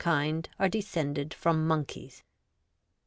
kind are descended from monkeys.'